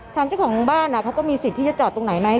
เจ้าของบ้านเขาก็มีสิทธิ์ที่จะจอดตรงไหนไหม